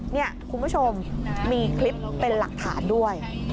นี่คุณผู้ชมมีคลิปเป็นหลักฐานด้วย